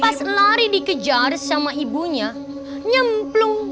pas lari dikejar sama ibunya nyemplung